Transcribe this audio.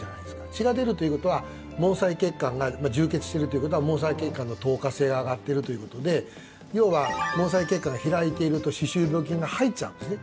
血が出るということは毛細血管が充血してるということは毛細血管の透過性が上がってるということで要は毛細血管が開いていると歯周病菌が入っちゃうんですね。